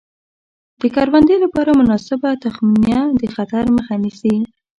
د کروندې لپاره مناسبه تخمینه د خطر مخه نیسي.